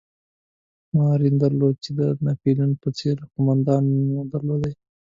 ما ارمان درلود چې د ناپلیون په څېر یو قومندان مو درلودلای.